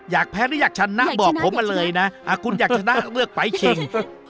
อยากแพ้หรืออยากชนะบอกผมมาเลยนะคุณอยากชนะเลือกไปชิง